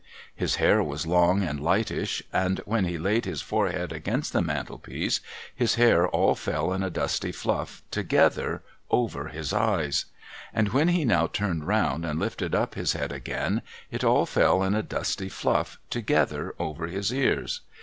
His hair was long and lightish ; and when he laid his forehead against the mantelpiece, his hair all fell in a dusty fluff together over his eyes ; and when he now turned round and lifted up his head again, it all fell in a dusty fluff together over his ears.